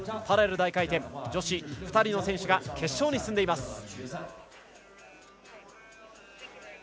パラレル大回転女子２人の選手が決勝に進んでいます。